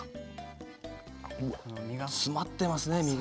身が詰まってますね身が。